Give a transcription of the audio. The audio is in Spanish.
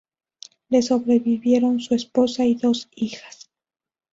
Le sobrevivieron su esposa y dos hijas.